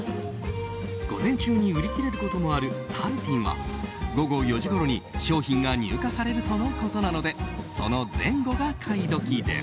午前中に売り切れることもあるタルティンは午後４時ごろに商品が入荷されるとのことなのでその前後が買い時です。